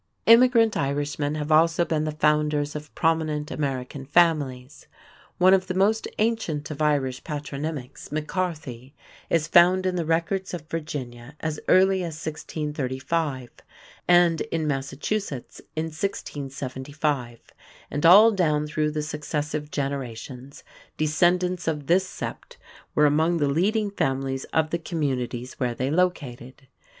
Immigrant Irishmen have also been the founders of prominent American families. One of the most ancient of Irish patronymics, McCarthy, is found in the records of Virginia as early as 1635 and in Massachusetts in 1675, and all down through the successive generations descendants of this sept were among the leading families of the communities where they located.